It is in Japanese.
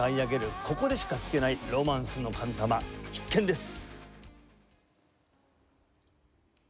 ここでしか聴けない『ロマンスの神様』必見です！